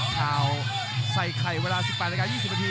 ข่าวใส่ไข่เวลา๑๘นาที๒๐นาที